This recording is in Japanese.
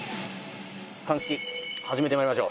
「鑑識始めて参りましょう」